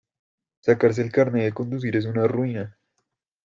Sacarse el carné de conducir es una ruina.